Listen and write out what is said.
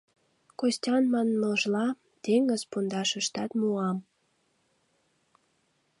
Костян манмыжла, теҥыз пундашыштат муам.